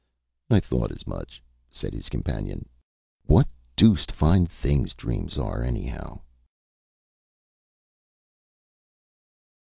"I thought as much," said his companion. "What deuced fine things dreams are, anyhow!"